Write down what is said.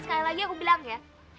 sekali lagi aku bilang ya